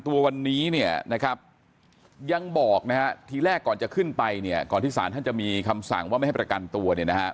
ตัววันนี้ยังบอกทีแรกก่อนจะขึ้นไปก่อนที่ศาลท่านจะมีคำสั่งว่าไม่ให้ประกันตัว